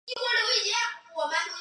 它初时大致向西北偏西移动。